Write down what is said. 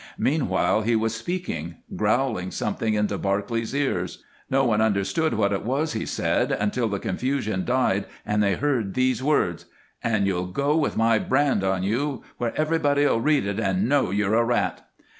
Meanwhile he was speaking, growling something into Barclay's ears. No one understood what it was he said until the confusion died and they heard these words: " And you'll go with my brand on you where everybody 'll read it and know you're a rat."